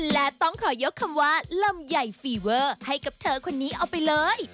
และต้องขอยกคำว่าลำใหญ่ฟีเวอร์ให้กับเธอคนนี้เอาไปเลย